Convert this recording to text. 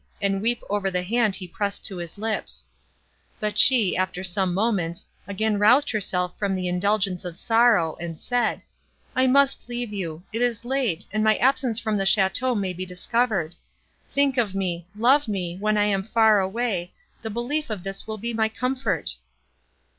and weep over the hand he pressed to his lips; but she, after some moments, again roused herself from the indulgence of sorrow, and said, "I must leave you; it is late, and my absence from the château may be discovered. Think of me—love me—when I am far away; the belief of this will be my comfort!"